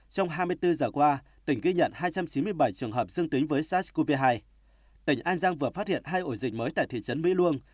covid một mươi chín tỉnh an giang vừa phát hiện hai ổ dịch mới tại thị trấn mỹ luông